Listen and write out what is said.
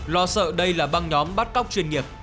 lo sợ đây là băng nhóm bắt cóc chuyên nghiệp